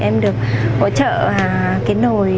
em được hỗ trợ cái nồi